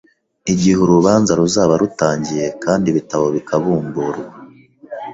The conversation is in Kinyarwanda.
Igihe urubanza ruzaba rutangiye kandi ibitabo bikabumburwa,